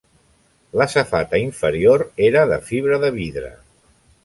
La safata inferior era de fibra de vidre.